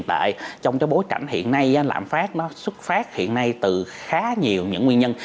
trong cái bối cảnh hiện nay lãm phát nó xuất phát hiện nay từ khá nhiều những nguyên nhân